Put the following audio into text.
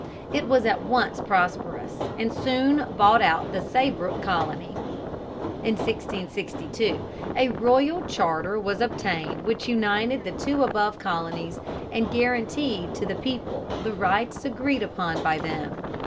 It was at once prosperous, and soon bought out the Saybrook Colony. In 1662 a royal charter was obtained which united the two above colonies and guaranteed to the people the rights agreed upon by them.